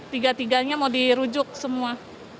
tiga tiganya mau dirujuk semua